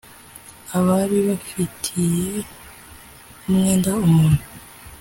Abari bafitiye umwenda umuntu